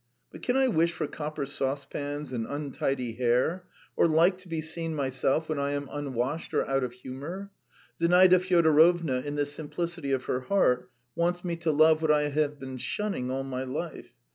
But can I wish for copper saucepans and untidy hair, or like to be seen myself when I am unwashed or out of humour? Zinaida Fyodorovna in the simplicity of her heart wants me to love what I have been shunning all my life.